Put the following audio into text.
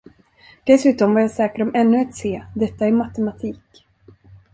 Dessutom var jag säker om ännu ett C, detta i matematik.